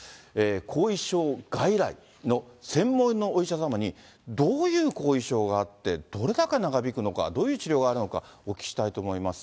後遺症外来の専門のお医者様にどういう後遺症があって、どれだけ長引くのか、どういう治療があるのか、お聞きしたいと思います。